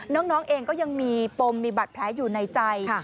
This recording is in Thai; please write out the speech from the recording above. น้องเองก็ยังมีปมมีบัตรแผลอยู่ในใจ